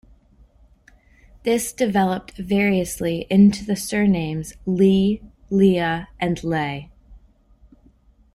This developed variously into the surnames Lee, Lea, and Leigh.